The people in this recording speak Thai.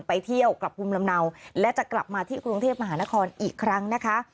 ไปเที่ยวกลับภูมิลำเนาและจะกลับมาที่กรุงเทพมหานครอีกครั้งนะคะ